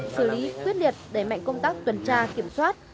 xử lý quyết liệt đẩy mạnh công tác tuần tra kiểm soát